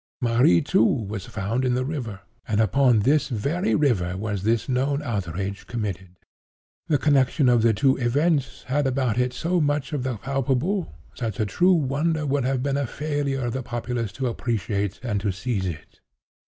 Marie, too, was found in the river; and upon this very river was this known outrage committed. The connexion of the two events had about it so much of the palpable, that the true wonder would have been a failure of the populace to appreciate and to seize it.